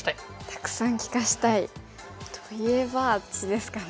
たくさん利かしたい。といえばあっちですかね。